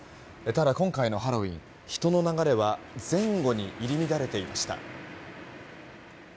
ただ、今回のハロウィーン人の流れは前後に入り乱れていました。